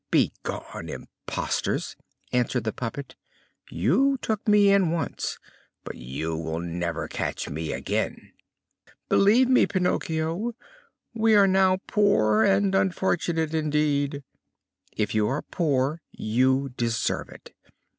"Begone, impostors!" answered the puppet. "You took me in once, but you will never catch me again." "Believe me, Pinocchio, we are now poor and unfortunate indeed!" "If you are poor, you deserve it.